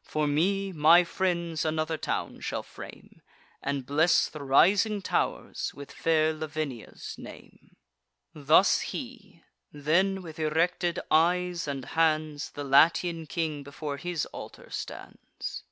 For me, my friends another town shall frame, And bless the rising tow'rs with fair Lavinia's name." Thus he. Then, with erected eyes and hands, The Latian king before his altar stands.